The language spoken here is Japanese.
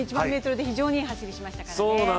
１００００ｍで非常にいい走りをしましたからね。